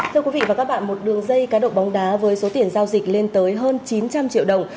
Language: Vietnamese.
thưa quý vị và các bạn một đường dây cá độ bóng đá với số tiền giao dịch lên tới hơn chín trăm linh triệu đồng